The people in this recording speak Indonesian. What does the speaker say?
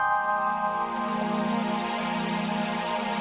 nanti aku akan mencoba menanyakannya kepada dewa sungai